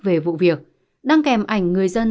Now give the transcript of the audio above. về vụ việc đăng kèm ảnh người dân